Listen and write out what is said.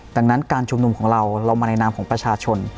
ดังนั้นการชุมนุมของเราเรามาในนามของประชาชน